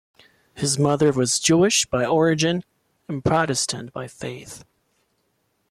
His mother was Jewish by origin and Protestant by faith.